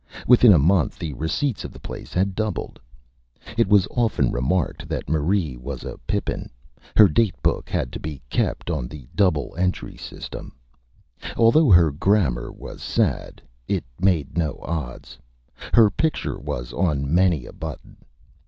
Within a Month the Receipts of the Place had doubled. It was often remarked that Marie was a Pippin. Her Date Book had to be kept on the Double Entry System. Although her Grammar was Sad, it made no Odds. Her Picture was on many a Button.